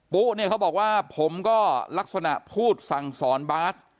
ุ๊เนี่ยเขาบอกว่าผมก็ลักษณะพูดสั่งสอนบาส